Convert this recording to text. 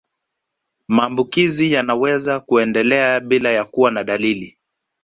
Maambukizi yanaweza kuendelea bila ya kuwa na dalili